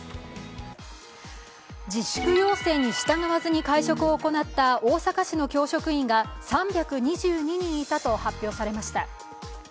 自粛要請に従わずに会食を行った大阪市の教職員が３２２人いたと発表されました。